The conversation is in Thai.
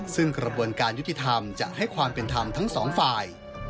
ซึ่งกระบวนการยุติธรรมจะให้ความเป็นธรรมทั้งสองฝ่าย